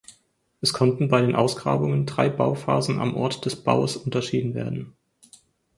Es konnten bei den Ausgrabungen drei Bauphasen am Ort des Baues unterschieden werden.